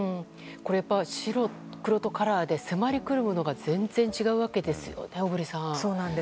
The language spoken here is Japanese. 白黒とカラーで迫りくるものが全然違うわけですよね、小栗さん。